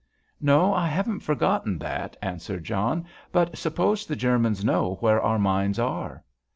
"No, I haven't forgotten that," answered John; "but suppose the Germans know where our mines are?"